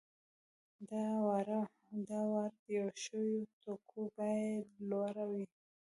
د وارد شویو توکو بیه یې لوړه وي